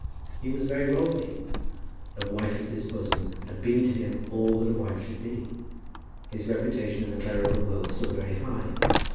He was very wealthy. The wife of his bosom had been to him all that a wife should be. His reputation in the clerical world stood very high.